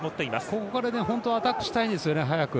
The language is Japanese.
ここから本当はアタックしたいんですね、早く。